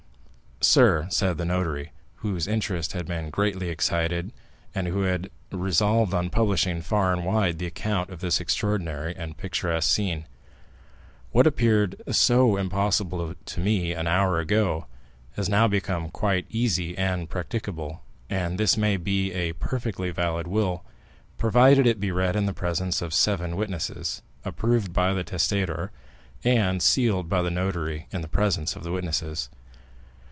"Sir," said the notary, whose interest had been greatly excited, and who had resolved on publishing far and wide the account of this extraordinary and picturesque scene, "what appeared so impossible to me an hour ago, has now become quite easy and practicable, and this may be a perfectly valid will, provided it be read in the presence of seven witnesses, approved by the testator, and sealed by the notary in the presence of the witnesses.